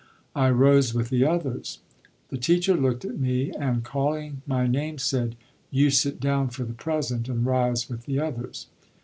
I rose with the others. The teacher looked at me and, calling my name, said: "You sit down for the present, and rise with the others."